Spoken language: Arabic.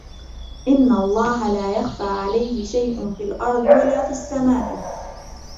إن الله لا يخفى عليه شيء في الأرض ولا في السماء